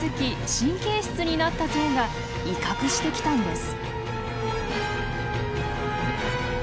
神経質になったゾウが威嚇してきたんです。